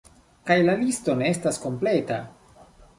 Kaj la listo ne estas kompleta!